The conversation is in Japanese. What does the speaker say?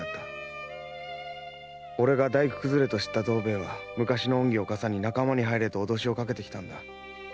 「俺が大工くずれと知った藤兵衛は昔の恩義をかさに仲間に入れと脅しをかけてきたんだ」